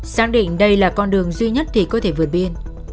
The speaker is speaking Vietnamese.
xác định đây là con đường duy nhất để có thể vượt biên